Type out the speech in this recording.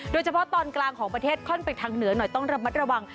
โดยเฉพาะตอนกลางของประเทศค่อนไปทางเหนือหน่อยต้องระมัดระวัง